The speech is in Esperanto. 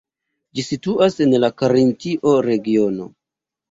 Ĝi situas en la Karintio regiono.